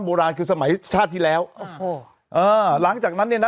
โบราณคือสมัยชาติที่แล้วโอ้โหอ่าหลังจากนั้นเนี่ยนะ